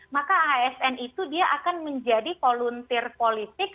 maka asn itu dia akan menjadi volunteer politik